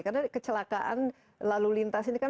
karena kecelakaan lalu lintas ini kan